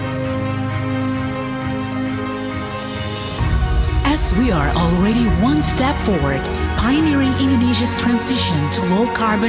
karena kita sudah satu langkah ke depan pengembangan indonesia ke ekonomi yang rendah karbon